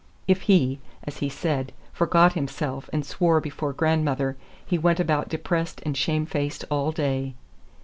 If he, as he said, "forgot himself" and swore before grandmother, he went about depressed and shamefaced all day.